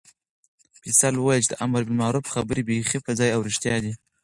فیصل وویل چې د امربالمعروف خبرې بیخي په ځای او رښتیا دي.